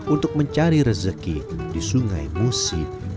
untuk mencari rezeki di sungai musi